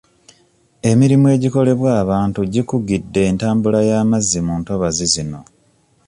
Emirimu egikolebwa abantu gikugidde entambula y'amazzi mu ntobazi zino.